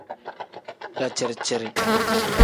Daciri-ciri.